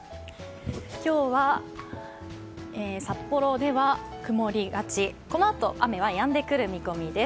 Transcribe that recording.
今日は札幌では曇りがち、このあと雨はやんでくる見込みです。